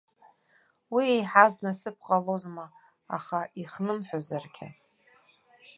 Уи еиҳаз насыԥ ҟалозма, аха ихнымҳәызаргьы.